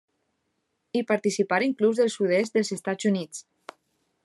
Hi participaren clubs del sud-est dels Estats Units.